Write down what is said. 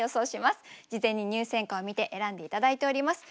事前に入選歌を見て選んで頂いております。